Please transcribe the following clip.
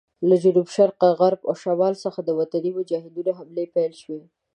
له جنوب شرق، غرب او شمال څخه د وطني مجاهدینو حملې پیل شوې.